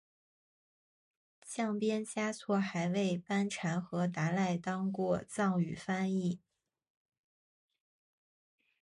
降边嘉措还为班禅和达赖当过藏语翻译。